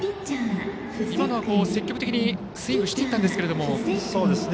今のは積極的にスイングしていったんですけども。